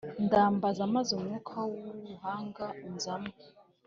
ndambaza maze umwuka w’Ubuhanga unzamo.